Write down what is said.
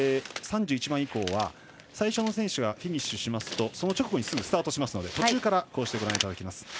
３１番以降は、最初の選手がフィニッシュしますとその直後にスタートしますので途中からご覧いただきます。